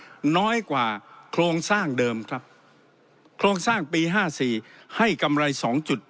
สร้างใหม่น้อยกว่าโครงสร้างเดิมครับโครงสร้างปีห้าสี่ให้กำไรสองจุด